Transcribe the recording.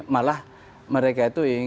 malah mereka itu